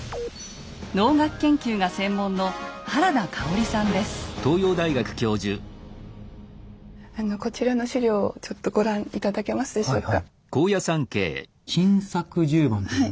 能楽研究が専門のあのこちらの史料をちょっとご覧頂けますでしょうか。